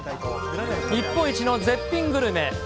日本一の絶品グルメ。